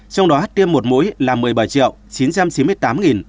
trong đó tiêm một mũi là một mươi bảy chín trăm chín mươi tám bảy trăm năm mươi bốn lượt